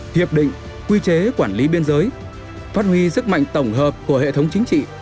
hiệp định quy chế quản lý biên giới phát huy sức mạnh tổng hợp của hệ thống chính trị